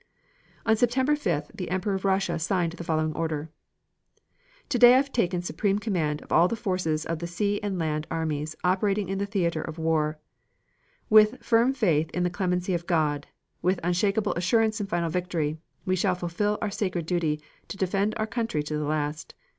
On September 5th the Emperor of Russia signed the following order: Today I have taken supreme command of all the forces of the sea and land armies operating in the theater of war. With firm faith in the clemency of God, with unshakable assurance in final victory, we shall fulfil our sacred duty to defend our country to the last.